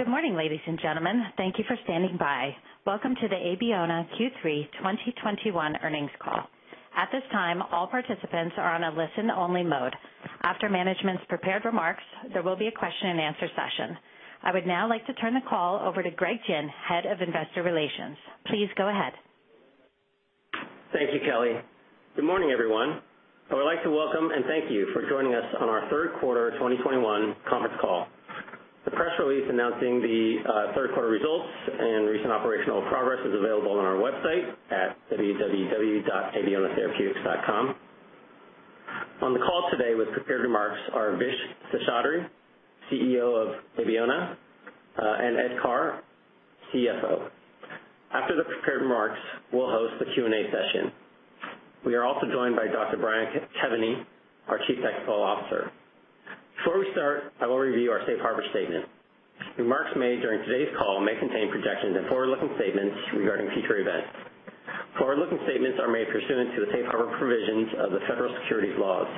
Good morning, ladies and gentlemen. Thank you for standing by. Welcome to the Abeona Q3 2021 earnings call. At this time, all participants are on a listen-only mode. After management's prepared remarks, there will be a question-and-answer session. I would now like to turn the call over to Greg Gin, Head of Investor Relations. Please go ahead. Thank you, Kelly. Good morning, everyone. I would like to welcome and thank you for joining us on our Q3 2021 conference call. The press release announcing the Q3 results and recent operational progress is available on our website at www.abeonatherapeutics.com. On the call today with prepared remarks are Vishwas Seshadri, CEO of Abeona, and Edward Carr, CFO. After the prepared remarks, we'll host the Q&A session. We are also joined by Dr. Brian Kevany, our Chief Technical Officer. Before we start, I will review our safe harbor statement. Remarks made during today's call may contain projections and forward-looking statements regarding future events. Forward-looking statements are made pursuant to the safe harbor provisions of the federal securities laws.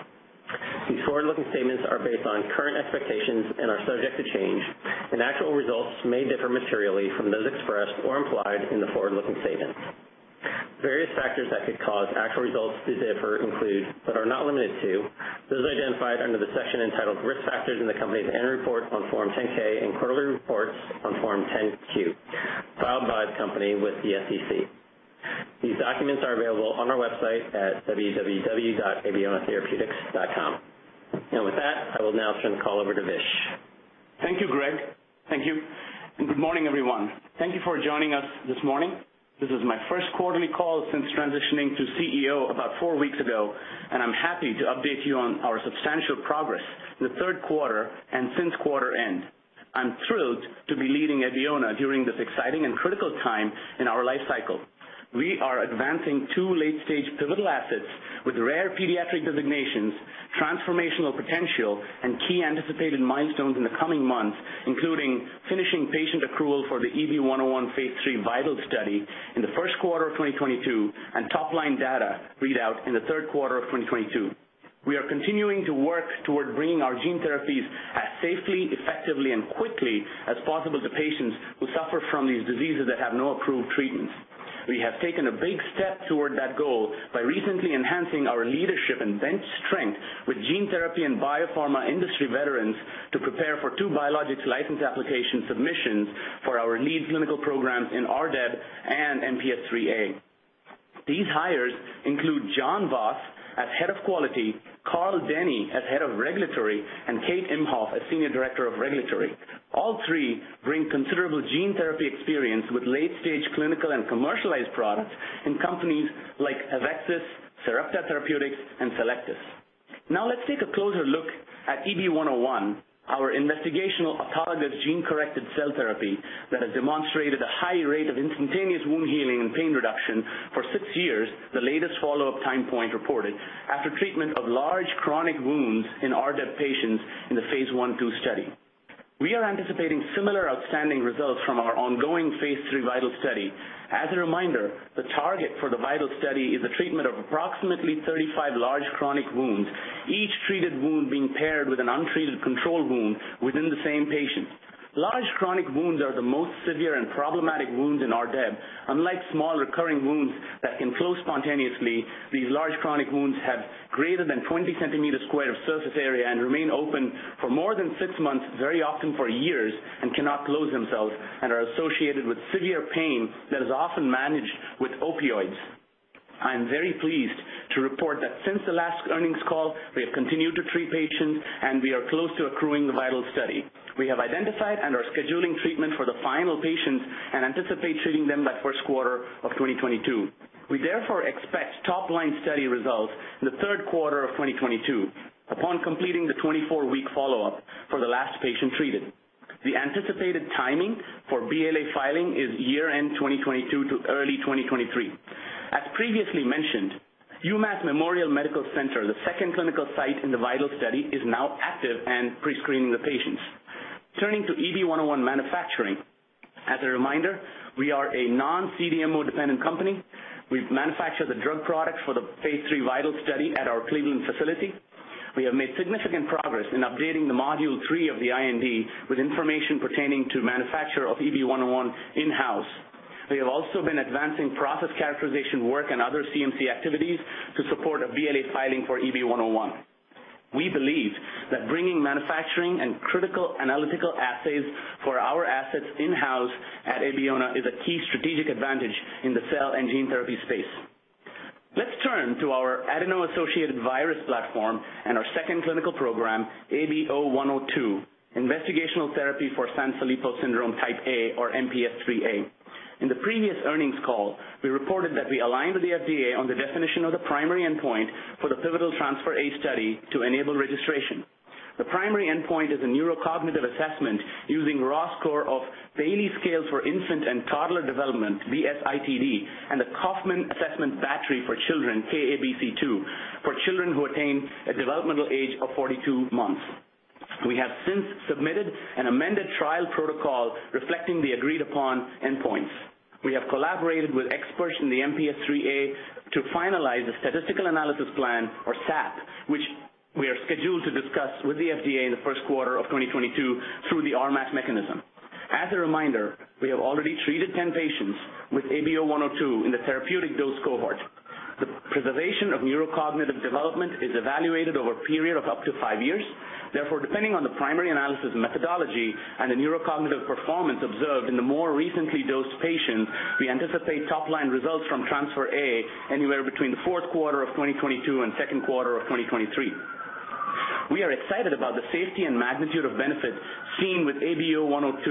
These forward-looking statements are based on current expectations and are subject to change, and actual results may differ materially from those expressed or implied in the forward-looking statements. Various factors that could cause actual results to differ include, but are not limited to, those identified under the section entitled Risk Factors in the Company's annual report on Form 10-K and quarterly reports on Form 10-Q filed by the Company with the SEC. These documents are available on our website at www.abeonatherapeutics.com. With that, I will now turn the call over to Vish. Thank you, Greg. Thank you, and good morning, everyone. Thank you for joining us this morning. This is my Q1 call since transitioning to CEO about four weeks ago, and I'm happy to update you on our substantial progress in the Q3 and since quarter end. I'm thrilled to be leading Abeona during this exciting and critical time in our life cycle. We are advancing two late-stage pivotal assets with Rare Pediatric Disease Designations, transformational potential, and key anticipated milestones in the coming months, including finishing patient accrual for the EB-101 phase III VIITAL study in the Q1 of 2022 and top-line data read out in the Q3 of 2022. We are continuing to work toward bringing our gene therapies as safely, effectively, and quickly as possible to patients who suffer from these diseases that have no approved treatments. We have taken a big step toward that goal by recently enhancing our leadership and bench strength with gene therapy and biopharma industry veterans to prepare for two biologics license application submissions for our lead clinical programs in RDEB and MPS IIIA. These hires include Jon Voss as Head of Quality, Carl Denny as Head of Regulatory, and Kate Imhoff as Senior Director of Regulatory. All three bring considerable gene therapy experience with late-stage clinical and commercialized products in companies like AveXis, Sarepta Therapeutics, and Cellectis. Now let's take a closer look at EB-101, our investigational autologous gene-corrected cell therapy that has demonstrated a high rate of instantaneous wound healing and pain reduction for six years, the latest follow-up time point reported, after treatment of large chronic wounds in RDEB patients in the phase I/II study. We are anticipating similar outstanding results from our ongoing phase III VIITAL study. As a reminder, the target for the VIITAL study is a treatment of approximately 35 large chronic wounds, each treated wound being paired with an untreated control wound within the same patient. Large chronic wounds are the most severe and problematic wounds in RDEB. Unlike small recurring wounds that can close spontaneously, these large chronic wounds have greater than 20 square cm of surface area and remain open for more than six months, very often for years, and cannot close themselves and are associated with severe pain that is often managed with opioids. I'm very pleased to report that since the last earnings call, we have continued to treat patients, and we are close to accruing the VIITAL study. We have identified and are scheduling treatment for the final patients and anticipate treating them by Q1 of 2022. We therefore expect top-line study results in the Q3 of 2022 upon completing the 24-week follow-up for the last patient treated. The anticipated timing for BLA filing is year-end 2022 to early 2023. As previously mentioned, UMass Memorial Medical Center, the second clinical site in the VIITAL study, is now active and prescreening the patients. Turning to EB-101 manufacturing. As a reminder, we are a non-CDMO dependent company. We've manufactured the drug products for the phase III VIITAL study at our Cleveland facility. We have made significant progress in updating the Module three of the IND with information pertaining to manufacture of EB-101 in-house. We have also been advancing process characterization work and other CMC activities to support a BLA filing for EB-101. We believe that bringing manufacturing and critical analytical assays for our assets in-house at Abeona is a key strategic advantage in the cell and gene therapy space. Let's turn to our adeno-associated virus platform and our second clinical program, ABO-102, investigational therapy for Sanfilippo syndrome type A or MPS IIIA. In the previous earnings call, we reported that we aligned with the FDA on the definition of the primary endpoint for the pivotal Transpher A study to enable registration. The primary endpoint is a neurocognitive assessment using raw score of Bayley Scales for Infant and Toddler Development, BSID, and the Kaufman Assessment Battery for Children, KABC-II, for children who attain a developmental age of 42 months. We have since submitted an amended trial protocol reflecting the agreed upon endpoints. We have collaborated with experts in the MPS IIIA to finalize the statistical analysis plan, or SAP, which we are scheduled to discuss with the FDA in the Q1 of 2022 through the RMAT mechanism. As a reminder, we have already treated 10 patients with ABO-102 in the therapeutic dose cohort. The preservation of neurocognitive development is evaluated over a period of up to five years. Therefore, depending on the primary analysis methodology and the neurocognitive performance observed in the more recently dosed patients, we anticipate top line results from Transpher A anywhere between the Q4 of 2022 and Q2 of 2023. We are excited about the safety and magnitude of benefits seen with ABO-102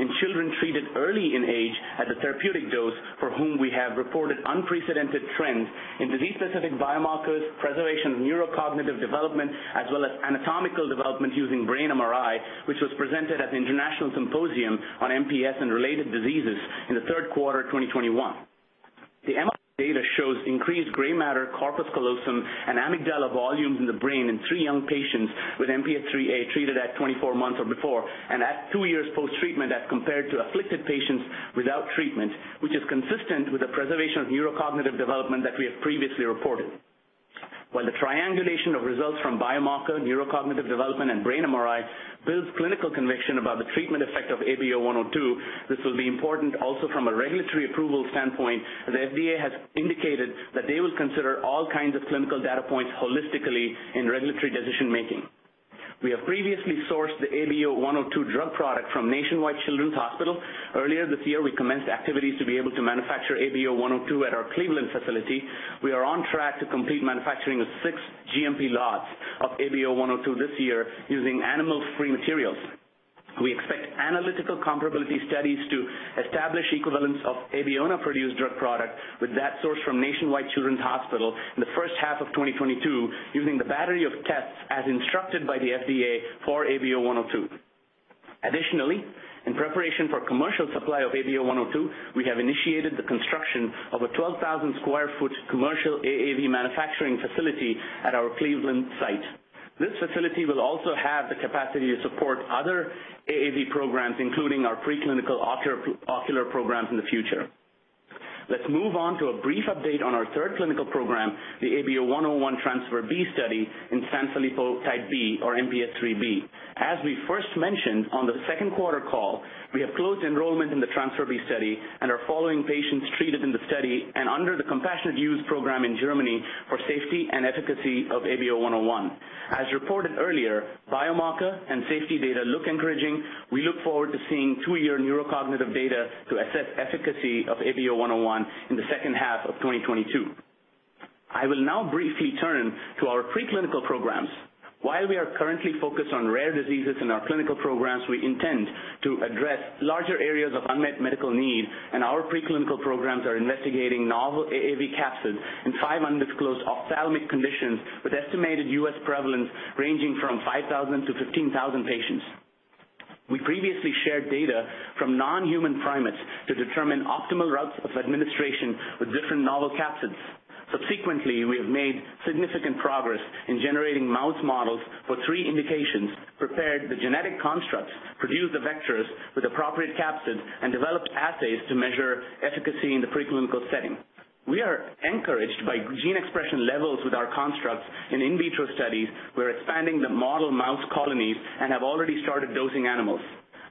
in children treated early in age at the therapeutic dose for whom we have reported unprecedented trends in disease-specific biomarkers, preservation of neurocognitive development, as well as anatomical development using brain MRI, which was presented at the International Symposium on MPS and Related Diseases in the Q3 of 2021. The MRI data shows increased gray matter corpus callosum and amygdala volumes in the brain in three young patients with MPS IIIA treated at 24 months or before and at two years post-treatment as compared to afflicted patients without treatment, which is consistent with the preservation of neurocognitive development that we have previously reported. While the triangulation of results from biomarker, neurocognitive development, and brain MRI builds clinical conviction about the treatment effect of ABO-102, this will be important also from a regulatory approval standpoint, as the FDA has indicated that they will consider all kinds of clinical data points holistically in regulatory decision-making. We have previously sourced the ABO-102 drug product from Nationwide Children's Hospital. Earlier this year, we commenced activities to be able to manufacture ABO-102 at our Cleveland facility. We are on track to complete manufacturing of 6 GMP lots of ABO-102 this year using animal-free materials. We expect analytical comparability studies to establish equivalence of Abeona-produced drug product with that sourced from Nationwide Children's Hospital in the H1 of 2022 using the battery of tests as instructed by the FDA for ABO-102. Additionally, in preparation for commercial supply of ABO-102, we have initiated the construction of a 12,000 sq ft commercial AAV manufacturing facility at our Cleveland site. This facility will also have the capacity to support other AAV programs, including our preclinical ocular programs in the future. Let's move on to a brief update on our third clinical program, the ABO-101 Transpher B study in Sanfilippo type B or MPS IIIB. As we first mentioned on the Q2 call, we have closed enrollment in the Transpher B study and are following patients treated in the study and under the Compassionate Use Program in Germany for safety and efficacy of ABO-101. As reported earlier, biomarker and safety data look encouraging. We look forward to seeing two-year neurocognitive data to assess efficacy of ABO-101 in the H2 of 2022. I will now briefly turn to our preclinical programs. While we are currently focused on rare diseases in our clinical programs, we intend to address larger areas of unmet medical need, and our preclinical programs are investigating novel AAV capsid in five undisclosed ophthalmic conditions with estimated U.S. prevalence ranging from 5,000-15,000 patients. We previously shared data from non-human primates to determine optimal routes of administration with different novel capsids. Subsequently, we have made significant progress in generating mouse models for three indications, prepared the genetic constructs, produced the vectors with appropriate capsids, and developed assays to measure efficacy in the preclinical setting. We are encouraged by gene expression levels with our constructs in vitro studies. We're expanding the model mouse colonies and have already started dosing animals.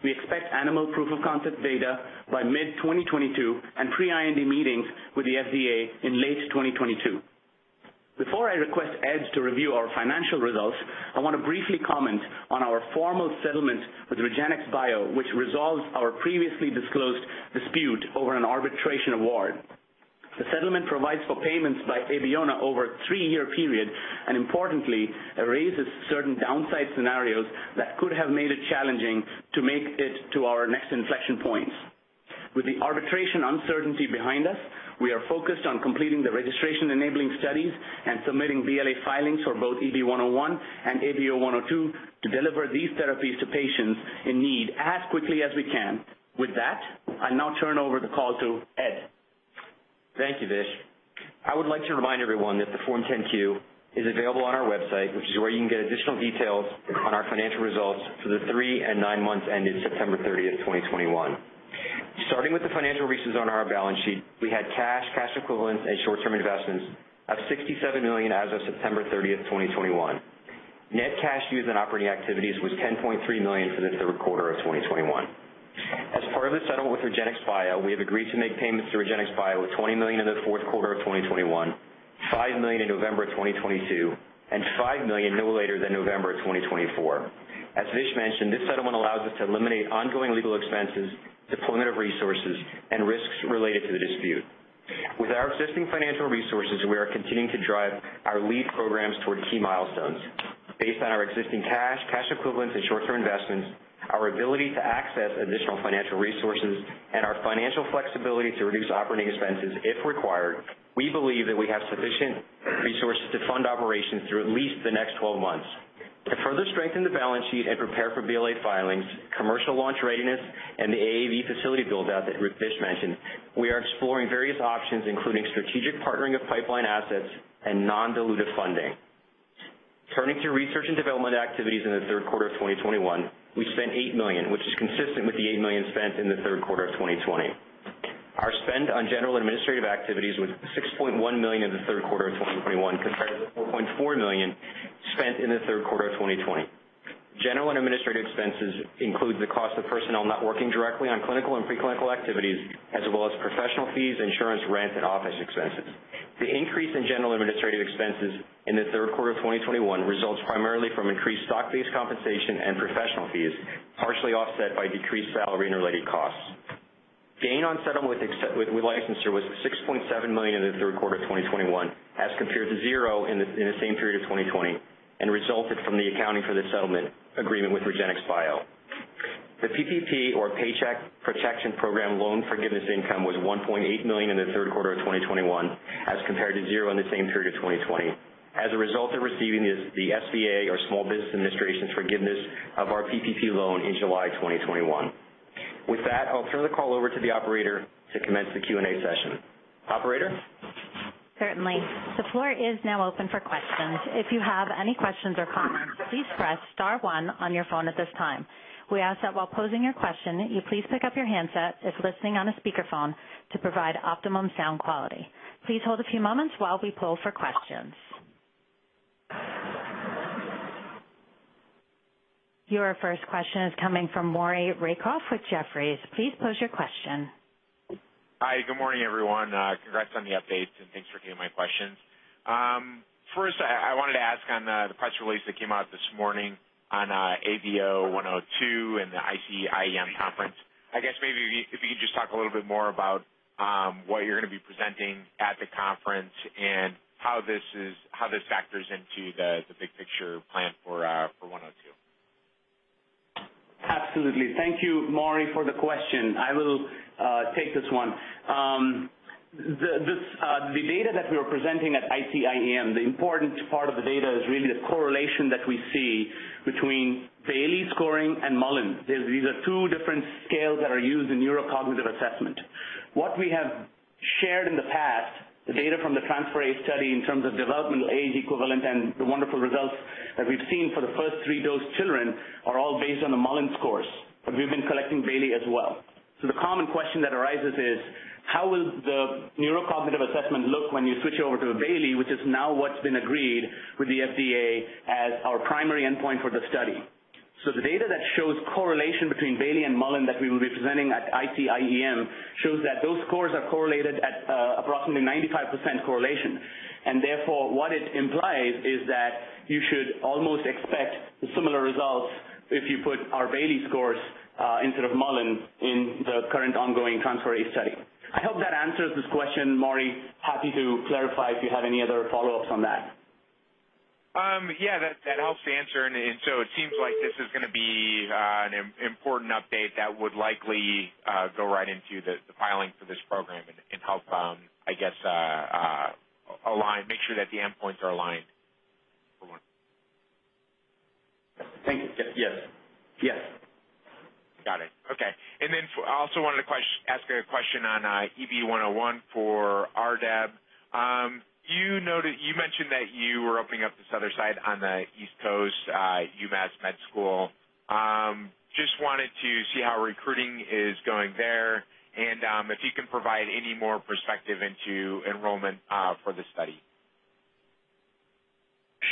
We expect animal proof of concept data by mid-2022 and pre-IND meetings with the FDA in late 2022. Before I request Ed to review our financial results, I want to briefly comment on our formal settlement with REGENXBIO, which resolves our previously disclosed dispute over an arbitration award. The settlement provides for payments by Abeona over a three-year period, and importantly, erases certain downside scenarios that could have made it challenging to make it to our next inflection points. With the arbitration uncertainty behind us, we are focused on completing the registration enabling studies and submitting BLA filings for both ABO-101 and ABO-102 to deliver these therapies to patients in need as quickly as we can. With that, I'll now turn over the call to Ed. Thank you, Vish. I would like to remind everyone that the Form 10-Q is available on our website, which is where you can get additional details on our financial results for the three and nine months ended September 30th, 2021. Starting with the financial resources on our balance sheet, we had cash equivalents, and short-term investments of $67 million as of September 30th, 2021. Net cash used in operating activities was $10.3 million for the Q3 of 2021. As part of the settlement with REGENXBIO, we have agreed to make payments to REGENXBIO of $20 million in the Q4 of 2021, $5 million in November 2022, and $5 million no later than November 2024. As Vish mentioned, this settlement allows us to eliminate ongoing legal expenses, deployment of resources, and risks related to the dispute. With our existing financial resources, we are continuing to drive our lead programs towards key milestones. Based on our existing cash equivalents, and short-term investments, our ability to access additional financial resources, and our financial flexibility to reduce operating expenses if required, we believe that we have sufficient resources to fund operations through at least the next 12 months. To further strengthen the balance sheet and prepare for BLA filings, commercial launch readiness, and the AAV facility build-out that Vish mentioned, we are exploring various options, including strategic partnering of pipeline assets and non-dilutive funding. Turning to research and development activities in the Q3 of 2021, we spent $8 million, which is consistent with the $8 million spent in the Q3 of 2020. Our spend on general administrative activities was $6.1 million in the Q3 of 2021 compared to $4.4 million spent in the Q3 of 2020. General and administrative expenses include the cost of personnel not working directly on clinical and pre-clinical activities, as well as professional fees, insurance, rent, and office expenses. The increase in general administrative expenses in the Q3 of 2021 results primarily from increased stock-based compensation and professional fees, partially offset by decreased salary and related costs. Gain on settlement with licensor was $6.7 million in the Q3 of 2021 as compared to zero in the same period of 2020 and resulted from the accounting for the settlement agreement with REGENXBIO. The PPP or Paycheck Protection Program loan forgiveness income was $1.8 million in the Q3 of 2021 as compared to zero in the same period of 2020 as a result of receiving the SBA or Small Business Administration's forgiveness of our PPP loan in July 2021. With that, I'll turn the call over to the operator to commence the Q&A session. Operator? Certainly. The floor is now open for questions. If you have any questions or comments, please press star one on your phone at this time. We ask that while posing your question, you please pick up your handset if listening on a speakerphone to provide optimum sound quality. Please hold a few moments while we poll for questions. Your first question is coming from Maury Raycroft with Jefferies. Please pose your question. Hi, good morning, everyone. Congrats on the updates, and thanks for taking my questions. First, I wanted to ask on the press release that came out this morning on ABO-102 and the ICIEM conference. I guess maybe if you could just talk a little bit more about what you're going to be presenting at the conference and how these factors into the big picture plan for ABO-102. Absolutely. Thank you, Maury, for the question. I will take this one. The data that we are presenting at ICIEM, the important part of the data is really the correlation that we see between Bayley scoring and Mullen. These are two different scales that are used in neurocognitive assessment. What we have shared in the past, the data from the Transpher A study in terms of developmental age equivalent and the wonderful results that we've seen for the first three dosed children are all based on the Mullen scores, but we've been collecting Bayley as well. The common question that arises is, how will the neurocognitive assessment look when you switch over to Bayley, which is now what's been agreed with the FDA as our primary endpoint for the study? The data that shows correlation between Bayley and Mullen that we will be presenting at ICIEM shows that those scores are correlated at approximately 95% correlation. Therefore, what it implies is that you should almost expect similar results if you put our Bayley scores instead of Mullen in the current ongoing Transpher A study. I hope that answers this question, Maury. Happy to clarify if you have any other follow-ups on that. Yeah. That helps to answer. It seems like this is going to be an important update that would likely go right into the filing for this program and help, I guess, align, make sure that the endpoints are aligned for one. Thank you. Yes. Yes. Got it. Okay. I also wanted to ask a question on EB-101 for RDEB. You mentioned that you were opening up this other site on the East Coast, UMass Medical School. Just wanted to see how recruiting is going there and if you can provide any more perspective into enrollment for the study.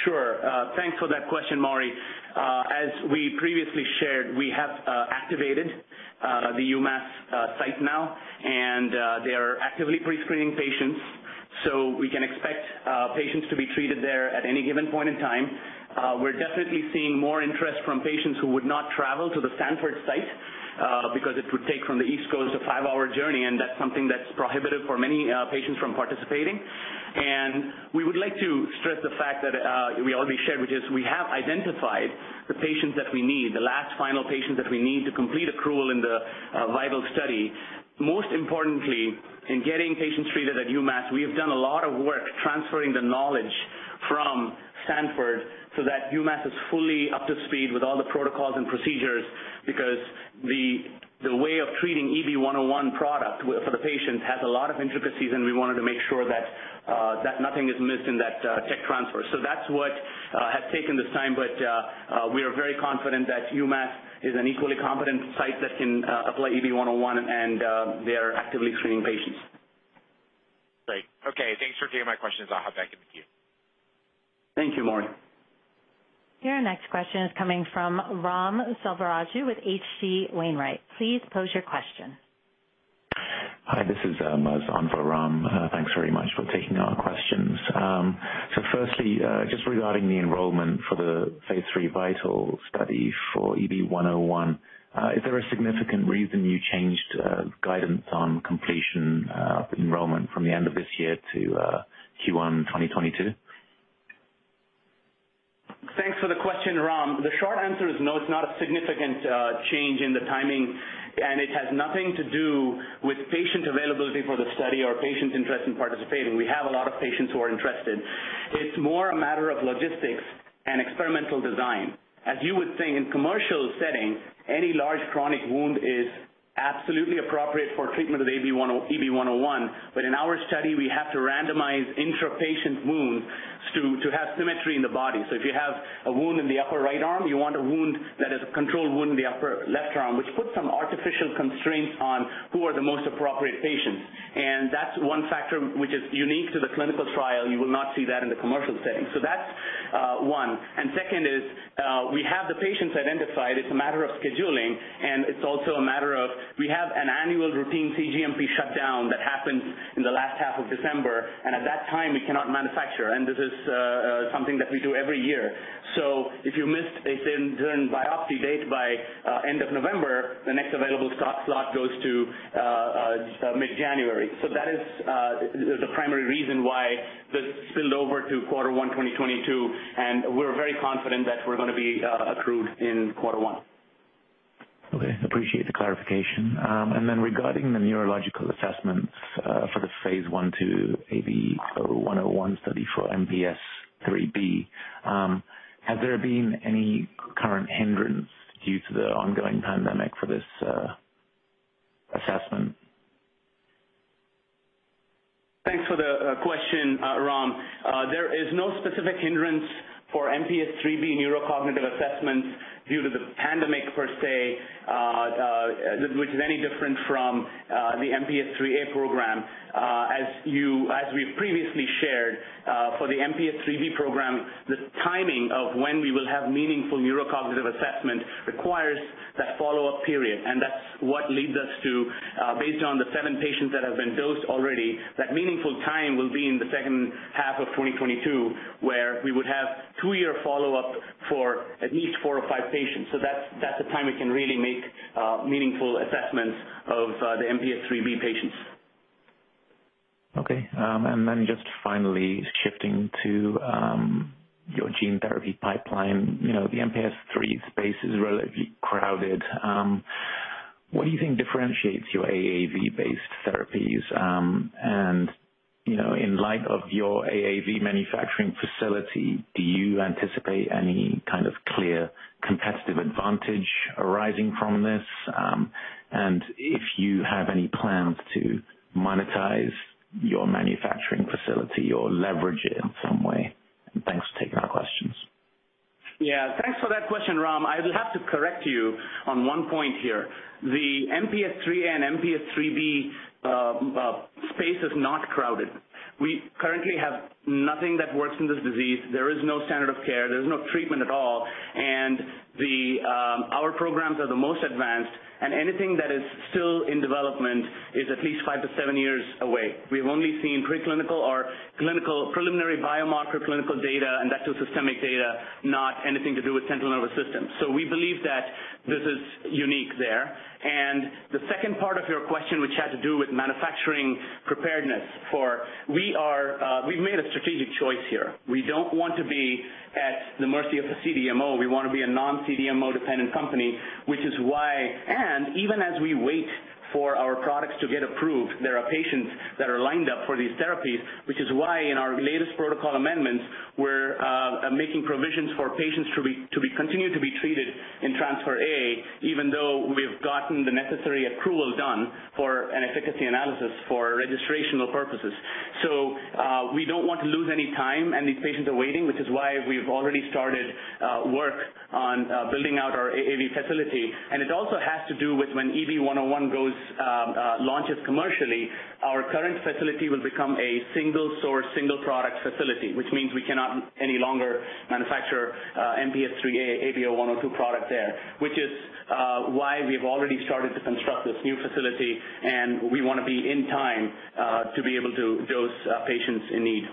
Sure. Thanks for that question, Maury. As we previously shared, we have activated the UMass site now, and they are actively pre-screening patients. So we can expect patients to be treated there at any given point in time. We're definitely seeing more interest from patients who would not travel to the Stanford site because it would take from the East Coast a five-hour journey, and that's something that's prohibitive for many patients from participating. We would like to stress the fact that we already shared, which is we have identified the patients that we need, the last final patients that we need to complete accrual in the VIITAL study. Most importantly, in getting patients treated at UMass, we have done a lot of work transferring the knowledge from Stanford so that UMass is fully up to speed with all the protocols and procedures because the way of treating EB-101 product for the patient has a lot of intricacies, and we wanted to make sure that nothing is missed in that tech transfer. That's what has taken this time, but we are very confident that UMass is an equally competent site that can apply EB-101, and they are actively screening patients. Great. Okay, thanks for taking my questions. I'll hop back in the queue. Thank you, Maury. Your next question is coming from Ram Selvaraju with H.C. Wainwright. Please pose your question. Hi, this is Mazin for Ram. Thanks very much for taking our questions. Firstly, just regarding the enrollment for the phase III VIITAL study for EB-101, is there a significant reason you changed guidance on completion of enrollment from the end of this year to Q1 2022? Thanks for the question, Ram. The short answer is no, it's not a significant change in the timing, and it has nothing to do with patient availability for the study or patient interest in participating. We have a lot of patients who are interested. It's more a matter of logistics and experimental design. As you would think in commercial setting, any large chronic wound is absolutely appropriate for treatment of EB-101. But in our study, we have to randomize intra-patient wounds to have symmetry in the body. So if you have a wound in the upper right arm, you want a wound that is a control wound in the upper left arm, which puts some artificial constraints on who are the most appropriate patients. That's one factor which is unique to the clinical trial. You will not see that in the commercial setting. That's one. Second, we have the patients identified. It's a matter of scheduling, and it's also a matter of we have an annual routine cGMP shutdown that happens in the last half of December, and at that time, we cannot manufacture. This is something that we do every year. If you missed during biopsy date by end of November, the next available slot goes to mid-January. That is the primary reason why this spilled over to quarter one 2022, and we're very confident that we're going to be approved in quarter one. Okay. Appreciate the clarification. Regarding the neurological assessments, for the phase one and two ABO-101 study for MPS IIIB, have there been any current hindrance due to the ongoing pandemic for this assessment? Thanks for the question, Ram. There is no specific hindrance for MPS IIIB neurocognitive assessments due to the pandemic per se, which is any different from the MPS IIIA program. As we've previously shared, for the MPS IIIB program, the timing of when we will have meaningful neurocognitive assessment requires that follow-up period, and that's what leads us to, based on the seven patients that have been dosed already, that meaningful time will be in the H2 of 2022, where we would have two-year follow-up for at least four or five patients. That's the time we can really make meaningful assessments of the MPS IIIB patients. Okay. Just finally shifting to your gene therapy pipeline. You know, the MPS III space is relatively crowded. What do you think differentiates your AAV-based therapies? You know, in light of your AAV manufacturing facility, do you anticipate any kind of clear competitive advantage arising from this? If you have any plans to monetize your manufacturing facility or leverage it in some way? Thanks for taking our questions. Yeah. Thanks for that question, Ram. I'll have to correct you on one point here. The MPS IIIA and MPS IIIB space is not crowded. We currently have nothing that works in this disease. There is no standard of care. There's no treatment at all. Our programs are the most advanced, and anything that is still in development is at least five to seven years away. We've only seen preclinical or clinical preliminary biomarker clinical data, and that's just systemic data, not anything to do with central nervous system. We believe that this is unique there. The second part of your question, which had to do with manufacturing preparedness. We've made a strategic choice here. We don't want to be at the mercy of the CDMO. We want to be a non-CDMO-dependent company, which is why. Even as we wait for our products to get approved, there are patients that are lined up for these therapies. Which is why in our latest protocol amendments, we're making provisions for patients to be treated in Transpher A, even though we have gotten the necessary accrual done for an efficacy analysis for registrational purposes. We don't want to lose any time, and these patients are waiting, which is why we've already started work on building out our AAV facility. It also has to do with when EB-101 launches commercially, our current facility will become a single source, single product facility, which means we cannot any longer manufacture MPS IIIA ABO-102 product there, which is why we have already started to construct this new facility, and we want to be in time to be able to dose patients in need.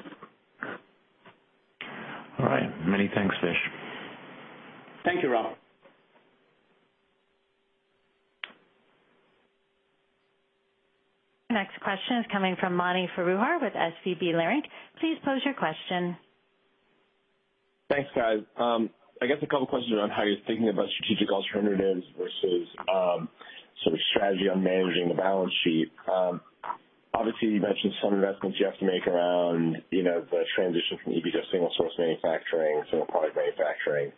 All right. Many thanks, Vish. Thank you, Ram. Next question is coming from Mani Foroohar with Leerink. Please pose your question. Thanks, guys. I guess a couple questions around how you're thinking about strategic alternatives versus, sort of strategy on managing the balance sheet. Obviously, you mentioned some investments you have to make around, you know, the transition from EB to single source manufacturing to product manufacturing.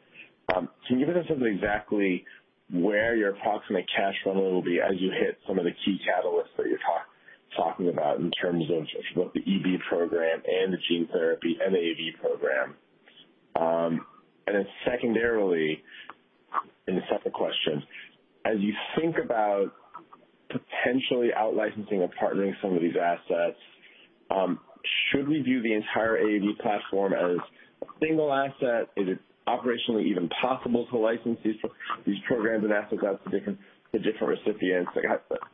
Can you give us something exactly where your approximate cash funnel will be as you hit some of the key catalysts that you're talking about in terms of what the EB program and the gene therapy and the AAV program? And then secondarily, in a separate question, as you think about potentially out-licensing or partnering some of these assets, should we view the entire AAV platform as a single asset? Is it operationally even possible to license these programs and assets out to different recipients? Like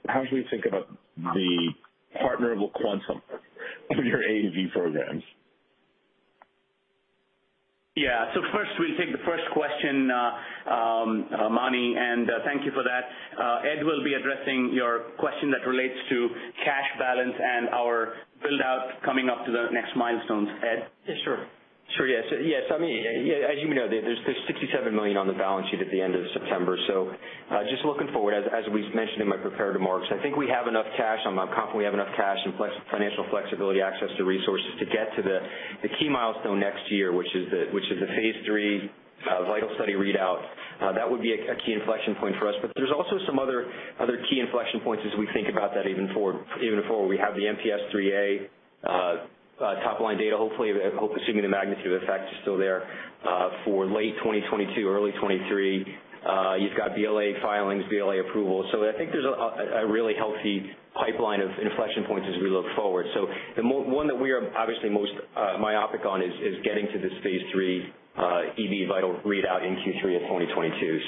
how should we think about the partner able quantum of your AAV programs? Yeah. First, we'll take the first question, Mani, and thank you for that. Ed will be addressing your question that relates to cash balance and our build-out coming up to the next milestones. Ed? Yeah, sure. Yes. I mean, yeah, as you know, there's $67 million on the balance sheet at the end of September. Just looking forward, as we mentioned in my prepared remarks, I think we have enough cash. I'm confident we have enough cash and financial flexibility, access to resources to get to the key milestone next year, which is the phase III VIITAL study readout. That would be a key inflection point for us. There's also some other key inflection points as we think about that even forward. We have the MPS IIIA. Top-line data, hopefully assuming the magnitude of effects are still there, for late 2022, early 2023. You've got BLA filings, BLA approvals. I think there's a really healthy pipeline of inflection points as we look forward. One that we are obviously most myopic on is getting to this phase III VIITAL readout in Q3 of 2022.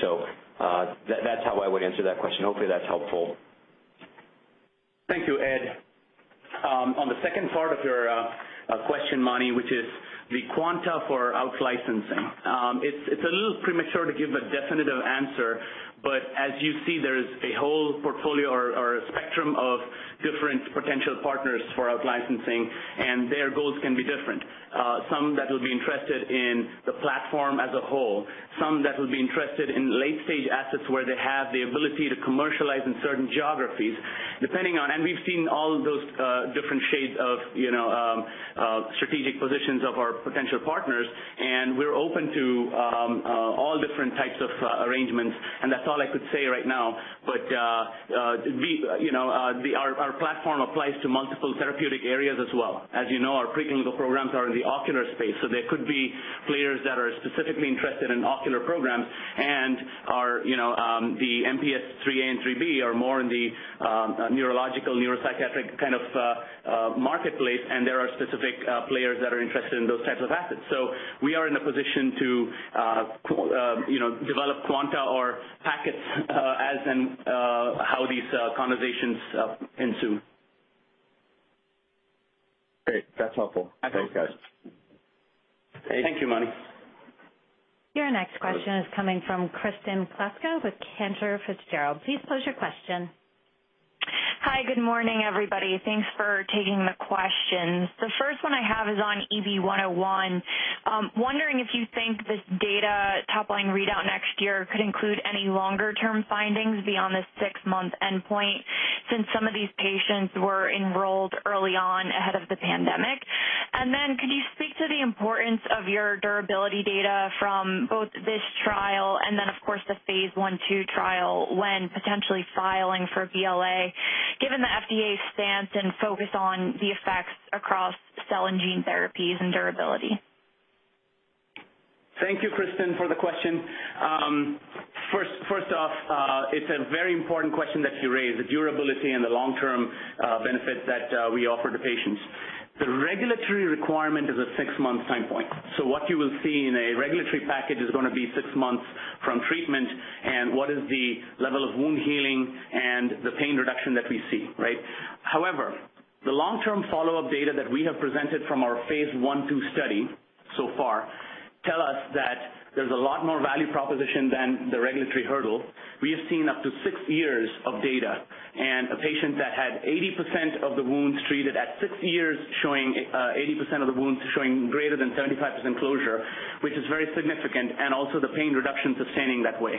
That's how I would answer that question. Hopefully, that's helpful. Thank you, Ed. On the second part of your question, Mani which is the quantum for out-licensing. It's a little premature to give a definitive answer, but as you see, there is a whole portfolio or a spectrum of different potential partners for out-licensing, and their goals can be different. Some that will be interested in the platform as a whole, some that will be interested in late-stage assets where they have the ability to commercialize in certain geographies, depending on. We've seen all of those different shades of, you know, strategic positions of our potential partners, and we're open to all different types of arrangements, and that's all I could say right now. You know, our platform applies to multiple therapeutic areas as well. As you know, our preclinical programs are in the ocular space, so there could be players that are specifically interested in ocular programs and are, you know, the MPS IIIA and IIIB are more in the neurological, neuropsychiatric kind of marketplace, and there are specific players that are interested in those types of assets. We are in a position to, you know, develop quanta or packets as in how these conversations ensue. Great. That's helpful. Absolutely. Thanks, guys. Thank you, Mani. Your next question is coming from Kristen Kluska with Cantor Fitzgerald. Please pose your question. Hi, good morning, everybody. Thanks for taking the questions. The first one I have is on EB-101. Wondering if you think this data top-line readout next year could include any longer-term findings beyond the six-month endpoint since some of these patients were enrolled early on ahead of the pandemic. Could you speak to the importance of your durability data from both this trial and then, of course, the phase I/II trial when potentially filing for BLA, given the FDA stance and focus on the effects across cell and gene therapies and durability? Thank you, Kristen Kluska, for the question. First off, it's a very important question that you raised, the durability and the long-term benefit that we offer to patients. The regulatory requirement is a six-month time point. What you will see in a regulatory package is going to be six months from treatment and what is the level of wound healing and the pain reduction that we see, right? However, the long-term follow-up data that we have presented from our phase I/II study so far tell us that there's a lot more value proposition than the regulatory hurdle. We have seen up to six years of data and a patient that had 80% of the wounds treated at six years, showing 80% of the wounds showing greater than 75% closure, which is very significant, and also the pain reduction sustaining that way.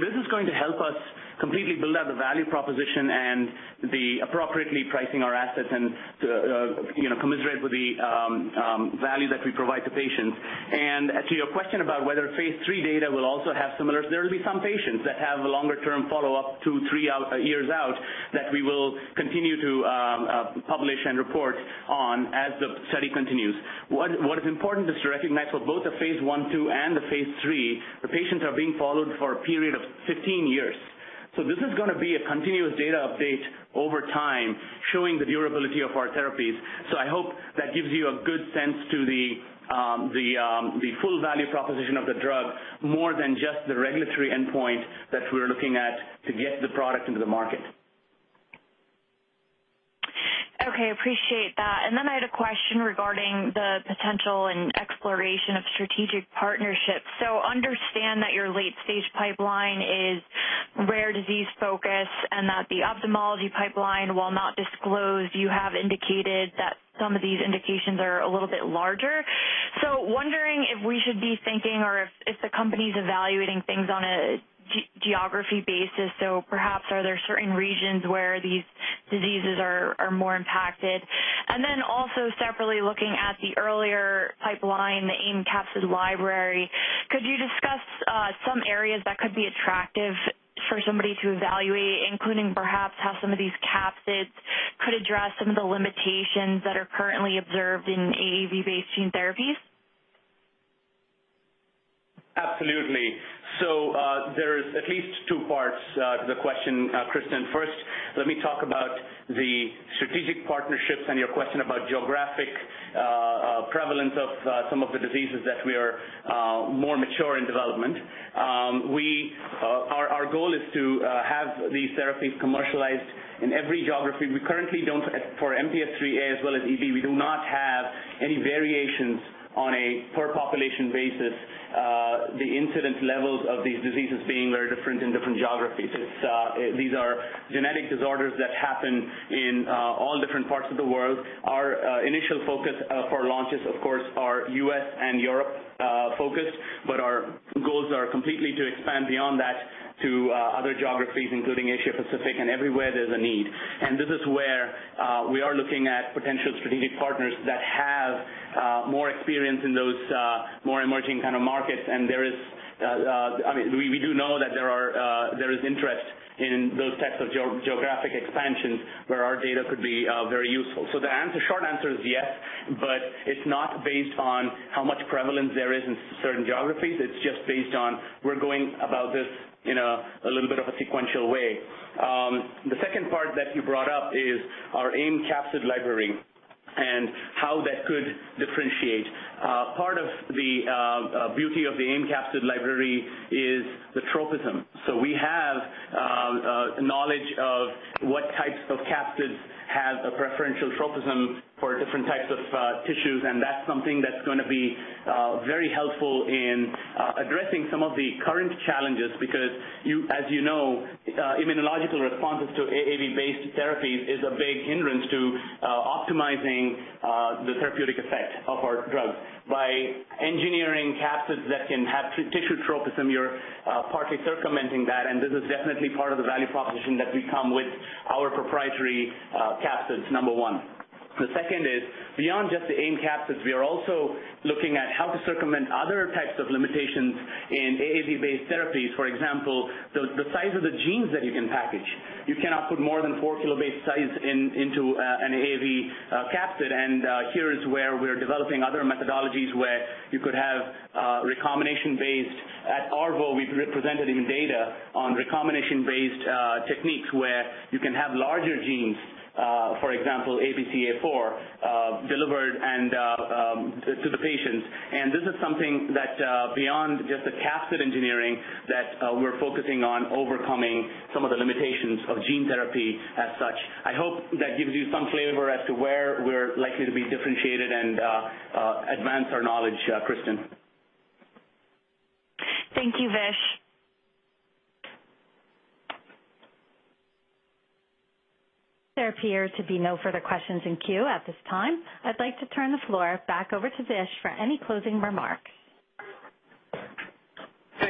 This is going to help us completely build out the value proposition and appropriately pricing our assets and commensurate with the value that we provide to patients. To your question about whether phase III data will also have similar, there'll be some patients that have a longer-term follow-up, two, three years out, that we will continue to publish and report on as the study continues. What is important is to recognize for both the phase I/II and the phase III, the patients are being followed for a period of 15 years. This is going to be a continuous data update over time, showing the durability of our therapies. I hope that gives you a good sense to the full value proposition of the drug more than just the regulatory endpoint that we're looking at to get the product into the market. Okay. Appreciate that. I had a question regarding the potential and exploration of strategic partnerships. Understand that your late-stage pipeline is rare disease-focused and that the ophthalmology pipeline, while not disclosed, you have indicated that some of these indications are a little bit larger. Wondering if we should be thinking or if the company's evaluating things on a geography basis. Perhaps are their certain regions where these diseases are more impacted? Also separately looking at the earlier pipeline, the AAV capsid library, could you discuss some areas that could be attractive for somebody to evaluate, including perhaps how some of these capsids could address some of the limitations that are currently observed in AAV-based gene therapies? Absolutely. There's at least two parts to the question, Kristen. First, let me talk about the strategic partnerships and your question about geographic prevalence of some of the diseases that we are more mature in development. Our goal is to have these therapies commercialized in every geography. We currently don't for MPS 3A as well as EB, we do not have any variations on a per population basis, the incidence levels of these diseases being very different in different geographies. It's these are genetic disorders that happen in all different parts of the world. Our initial focus for launches, of course, are U.S. and Europe focused, but our goals are completely to expand beyond that to other geographies, including Asia-Pacific and everywhere there's a need. This is where we are looking at potential strategic partners that have experience in those more emerging kinds of markets, and there is, I mean, we do know that there is interest in those types of geographic expansions where our data could be very useful. The short answer is yes, but it's not based on how much prevalence there is in certain geographies. It's just based on we're going about this in a little bit of a sequential way. The second part that you brought up is our AIM capsid library and how that could differentiate. Part of the beauty of the AIM capsid library is the tropism. We have knowledge of what types of capsids have a preferential tropism for different types of tissues, and that's something that's going to be very helpful in addressing some of the current challenges, because as you know, immunological responses to AAV-based therapies are a big hindrance to optimizing the therapeutic effect of our drugs. By engineering capsids that can have tissue tropism, you're partly circumventing that, and this is definitely part of the value proposition that we come with our proprietary capsids, number one. The second is, beyond just the AIM capsids, we are also looking at how to circumvent other types of limitations in AAV-based therapies. For example, the size of the genes that you can package. You cannot put more than four kilobase size into an AAV capsid, and here is where we're developing other methodologies where you could have recombination based. At ARVO, we've presented new data on recombination-based techniques where you can have larger genes, for example, ABCA4, delivered to the patients. This is something that, beyond just the capsid engineering that, we're focusing on overcoming some of the limitations of gene therapy as such. I hope that gives you some flavor as to where we're likely to be differentiated and advance our knowledge, Kristen. Thank you, Vish. There appear to be no further questions in queue at this time. I'd like to turn the floor back over to Vish for any closing remarks.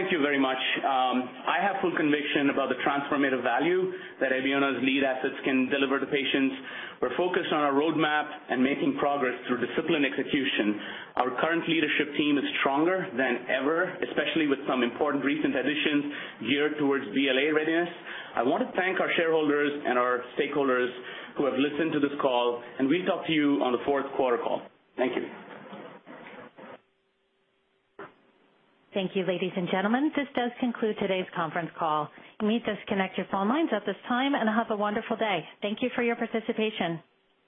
Thank you very much. I have full conviction about the transformative value that Abeona's lead assets can deliver to patients. We're focused on our roadmap and making progress through disciplined execution. Our current leadership team is stronger than ever, especially with some important recent additions geared towards BLA readiness. I wanna thank our shareholders and our stakeholders who have listened to this call, and we'll talk to you on the Q4 call. Thank you. Thank you, ladies and gentlemen. This does conclude today's conference call. You may disconnect your phone lines at this time and have a wonderful day. Thank you for your participation.